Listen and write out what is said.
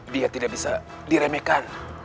dia tidak bisa diremehkan